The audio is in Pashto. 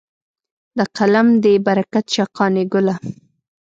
د قلم دې برکت شه قانع ګله.